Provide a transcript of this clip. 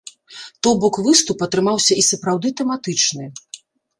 То бок выступ атрымаўся і сапраўды тэматычны.